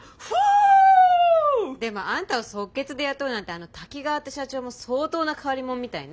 でもあんたを即決で雇うなんてあの滝川って社長も相当な変わり者みたいね。